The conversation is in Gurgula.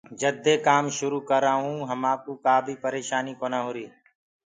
جد دي ڪآم شروُ ڪررآ هونٚ همآ ڪوُ ڪآ بيٚ پريشآنيٚ ڪونآ هوريٚ۔